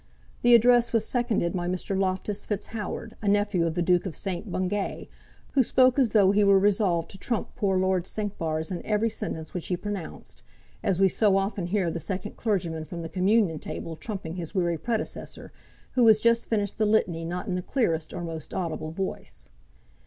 The Address was seconded by Mr. Loftus Fitzhoward, a nephew of the Duke of St. Bungay, who spoke as though he were resolved to trump poor Lord Cinquebars in every sentence which he pronounced, as we so often hear the second clergyman from the Communion Table trumping his weary predecessor, who has just finished the Litany not in the clearest or most audible voice.